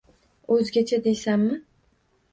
— O‘zgacha deysanmi?